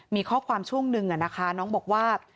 มีข้อความช่วงหนึ่งนะคะน้องบอกว่า